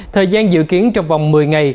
thời gian dự kiến trong vòng một mươi ngày